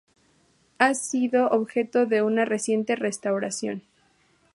Ha sido objeto de una reciente restauración.